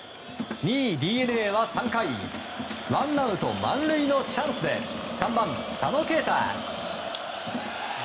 ２位ＤｅＮＡは３回ワンアウト満塁のチャンスで３番、佐野恵太。